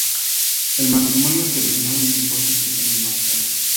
El matrimonio terminó en divorcio siete años más tarde.